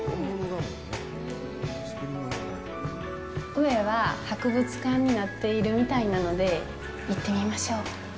上は博物館になっているみたいなので行ってみましょう。